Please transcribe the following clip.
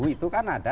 itu kan ada